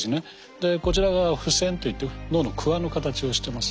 でこちらが「布銭」といって農具のクワの形をしてます。